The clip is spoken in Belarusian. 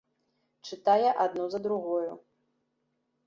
Чытае адну за другою.